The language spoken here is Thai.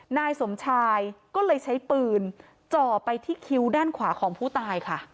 นายสมชายก็เลยใช้ปืนจ่อไปที่คิ้วด้านขวาของผู้ตายค่ะ